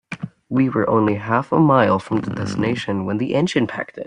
We were only half a mile from the destination when the engine packed in.